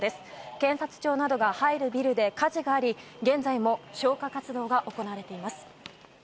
検察庁などが入るビルで火事があり現在も消火活動が行われています。